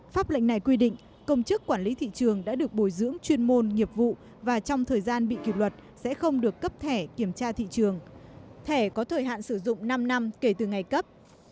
pháp lệnh này quy định công chức quản lý thị trường đã được bồi dưỡng chuyên môn nghiệp vụ và trong thời gian bị kỷ luật sẽ không được cấp thẻ kiểm tra thị trường thẻ có thời hạn sử dụng năm năm kể từ ngày cấp